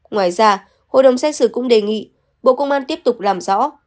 ngoài ra hội đồng xét xử cũng đề nghị bộ công an tiếp tục làm rõ